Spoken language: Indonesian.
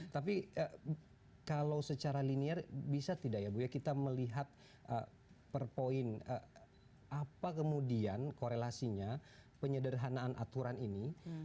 tapi kalau secara linear bisa tidak ya bu ya kita melihat per poin apa kemudian korelasinya penyederhanaan aturan ini